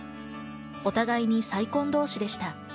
お互いに再婚同士でした。